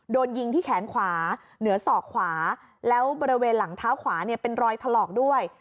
โดนยิงที่แขนขวาเหนือศอกขวาแล้วบริเวณหลังเท้าขวาเนี่ยเป็นรอยถลอกด้วย